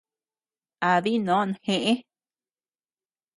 A dinon jeʼe.